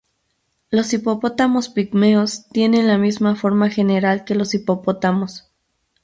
Los hipopótamos pigmeos tienen la misma forma general que los hipopótamos.